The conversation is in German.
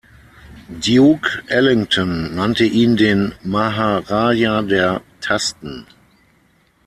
Duke Ellington nannte ihn den „Maharaja der Tasten“.